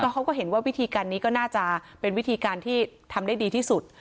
เขาก็เห็นว่าวิธีการนี้ก็น่าจะเป็นวิธีการที่ทำได้ดีที่สุด